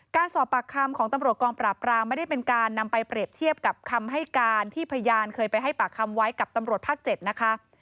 การสอบปากคำของตำรวจกองปราบรามไม่ได้เป็นการนำไปเปรียบเทียบกับคำให้การที่พยานเคยไปให้ปากคำไว้กับตำรวจภาค๗นะคะ